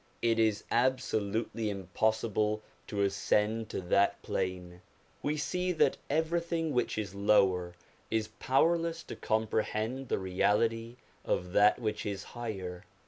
It is absolutely impossible to ascend to that plane. We see that every thing which is lower is powerless to comprehend the reality of that which is higher.